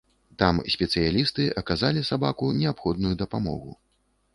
Там спецыялісты аказалі сабаку неабходную дапамогу.